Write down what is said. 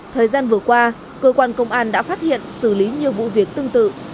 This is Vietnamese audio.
thời gian vừa qua cơ quan công an đã phát hiện xử lý nhiều vụ việc tương tự